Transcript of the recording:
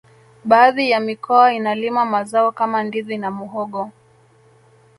baadhi ya mikoa inalima mazao kama ndizi na muhogo